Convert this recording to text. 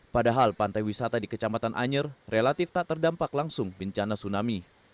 padahal pantai wisata di kecamatan anyer relatif tak terdampak langsung bencana tsunami